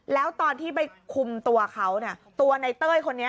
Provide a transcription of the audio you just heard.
แล้วตอนที่ไปคุมตัวเขาเนี่ยตัวในเต้ยคนนี้